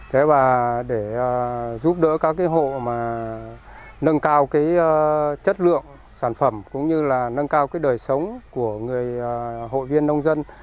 để giúp đỡ các hộ nâng cao chất lượng sản phẩm nâng cao đời sống của hội viên nông dân